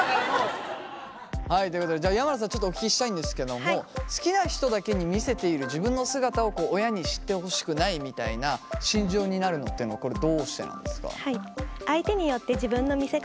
はいということでじゃあ山名さんちょっとお聞きしたいんですけども好きな人だけに見せている自分の姿を親に知ってほしくないみたいな心情になるのっていうのはこれどうしてなんですか？